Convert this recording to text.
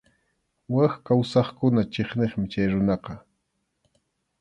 Wak kawsaqkuna chiqniqmi chay runaqa.